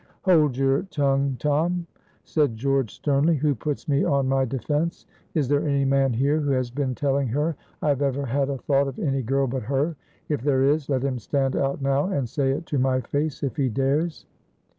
"Hold your tongue, Tom," said George, sternly. "Who puts me on my defense? Is there any man here who has been telling her I have ever had a thought of any girl but her? If there is, let him stand out now and say it to my face if he dares."